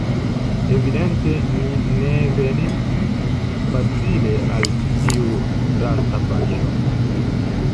Evidente ni ne venis facile al ĉi tiu drasta paŝo.